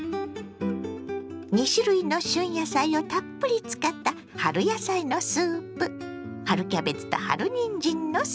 ２種類の旬野菜をたっぷり使った春野菜のスープ。